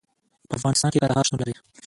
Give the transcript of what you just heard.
په افغانستان کې کندهار شتون لري.